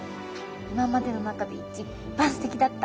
今までの中で一番すてきだった。